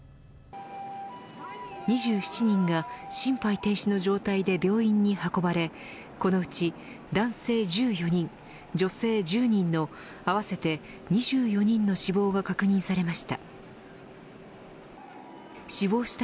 ２７人が心肺停止の状態で病院に運ばれこのうち男性１４人女性１０人の、合わせて２４人の死亡が確認されました。